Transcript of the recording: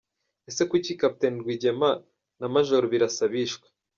Ese kuki Capt Rwigema na Maj Birasa bishwe?